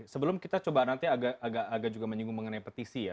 sebelum kita coba nanti agak agak juga menyinggung mengenai petisi ya